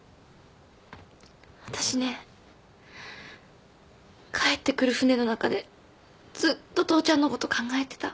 わたしね帰ってくる船の中でずっと父ちゃんのこと考えてた。